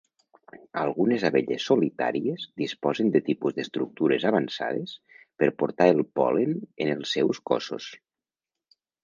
Algunes abelles solitàries disposen de tipus d'estructures avançades per portar el pol·len en els seus cossos.